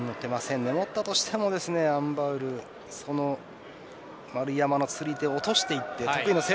持ったとしてもアン・バウルは丸山の釣り手を落としていっています。